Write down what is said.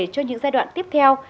cho những giai đoạn tiếp theo